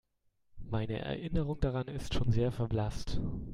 Meine Erinnerung daran ist schon sehr verblasst.